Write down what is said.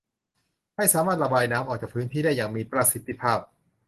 ให้สามารถระบายน้ำออกจากพื้นที่ได้อย่างมีประสิทธิภาพ